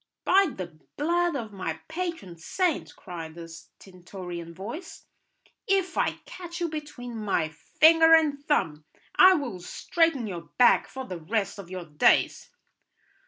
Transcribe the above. "By the blood of my patron saint," cried a stentorian voice, "if I catch you between my finger and thumb, I will straighten your back for the rest of your days."